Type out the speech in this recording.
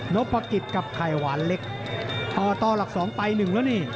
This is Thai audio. พกิจกับไข่หวานเล็กต่อหลัก๒ไป๑แล้วนี่